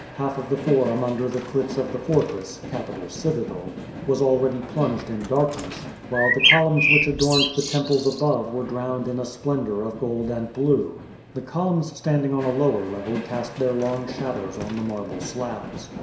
Half of the Forum under the cliifs of the fortress (Capitol citadel) was already plunged in dark ness, while the columns which adorned the temples above were drowned in a splendor of gold and blue. The columns standing on a lower level cast their long shadows on the marble slabs.